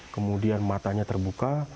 kemudian matanya terbuka